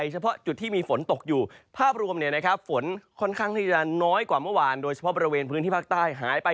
เท่านี้จะน้อยกว่าเมื่อวานโดยเฉพาะบริเวณพื้นที่ภาคใต้หายไป